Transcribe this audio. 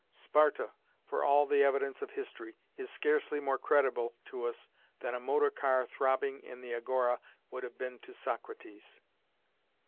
Sparta, for all the evidence of history, is scarcely more credible to us than a motor car throbbing in the agora would have been to Socrates.